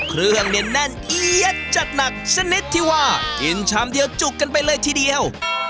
เครื่องเนี่ยแน่นเอี๊ยดจัดหนักชนิดที่ว่ากินชามเดียวจุกกันไปเลยทีเดียว